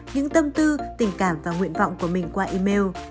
những tâm tư tình cảm và nguyện vọng của mình qua email